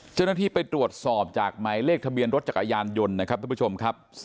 เจ้าหน้าที่ไปตรวจสอบจากหมายเลขทะเบียนรถจักรยานยนต์นะครับทุกผู้ชมครับ